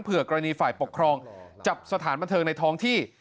กรณีฝ่ายปกครองจับสถานบันเทิงในท้องที่